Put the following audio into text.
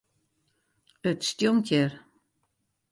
It stjonkt hjir.